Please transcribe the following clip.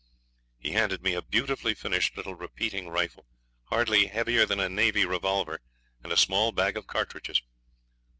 He handed me a beautifully finished little repeating rifle, hardly heavier than a navy revolver, and a small bag of cartridges.